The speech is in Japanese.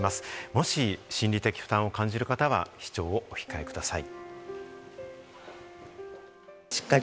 もし心理的負担を感じる方は、視聴をお控えください。